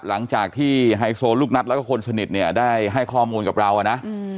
หลังจากที่ไฮโซลูกนัดแล้วก็คนสนิทเนี่ยได้ให้ข้อมูลกับเราอ่ะนะ